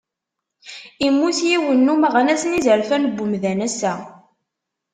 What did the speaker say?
Immut yiwen n umeɣnas n yizerfan n umdan ass-a.